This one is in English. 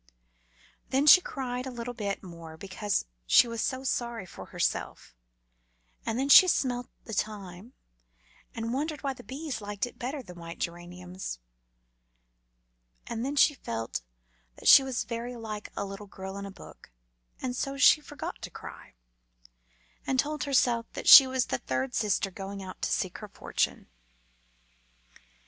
_" Then she cried a little bit more, because she was so sorry for herself; and then she smelt the thyme and wondered why the bees liked it better than white geraniums; and then she felt that she was very like a little girl in a book, and so she forgot to cry, and told herself that she was the third sister going out to seek her fortune.